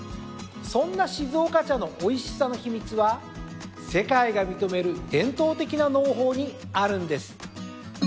そんな静岡茶のおいしさの秘密は世界が認める伝統的な農法にあるんです。